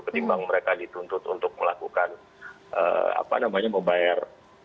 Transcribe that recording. ketimbang mereka dituntut untuk melakukan apa namanya membayar